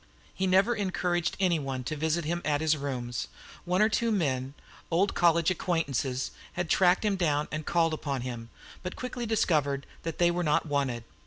He never encouraged anyone to visit him at his rooms. One or two men old college acquaintances had tracked him down and called upon him, but quickly discovered that they were not wanted.